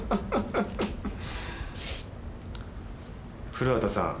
古畑さん。